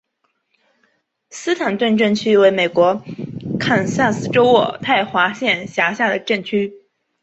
斯坦顿镇区为美国堪萨斯州渥太华县辖下的镇区。